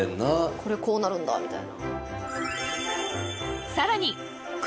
これこうなるんだみたいな。